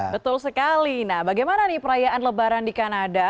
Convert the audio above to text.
betul sekali nah bagaimana nih perayaan lebaran di kanada